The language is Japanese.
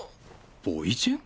ボイチェン？